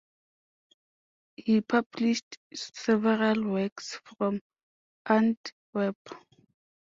He published several works from Antwerp.